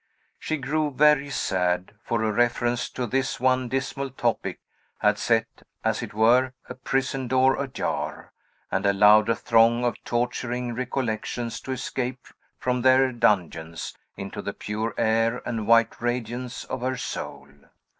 She grew very sad; for a reference to this one dismal topic had set, as it were, a prison door ajar, and allowed a throng of torturing recollections to escape from their dungeons into the pure air and white radiance of her soul.